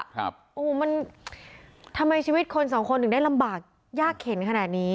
โอ้โหมันทำไมชีวิตคนสองคนถึงได้ลำบากยากเข็นขนาดนี้